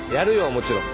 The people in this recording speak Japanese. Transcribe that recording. もちろん。